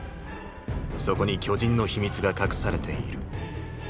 そこに巨人の秘密が隠されている。